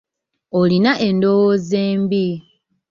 Olina endowooza embi.